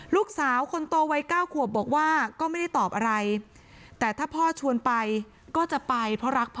ลูกสาวคนโตวัยเก้าขวบบอกว่าก็ไม่ได้ตอบอะไรแต่ถ้าพ่อชวนไปก็จะไปเพราะรักพ่อ